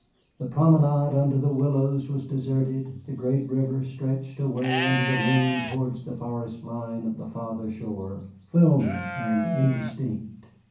The promenade under the willows was deserted, the great river stretched away under the moon towards the forest line of the farther shore, filmy and indistinct.